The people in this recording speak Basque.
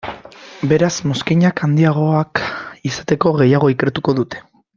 Beraz mozkinak handiagoak izateko, gehiago ikertuko dute.